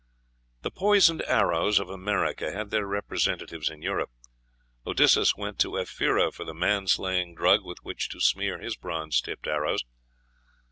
The poisoned arrows of America had their representatives in Europe. Odysseus went to Ephyra for the man slaying drug with which to smear his bronze tipped arrows.